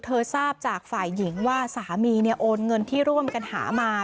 ทราบจากฝ่ายหญิงว่าสามีโอนเงินที่ร่วมกันหามา